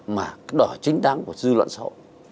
mà đòi hỏi chính đáng của dư luận sau